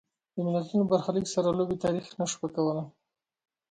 د ملتونو برخلیک سره لوبې تاریخ نه شو پاکولای.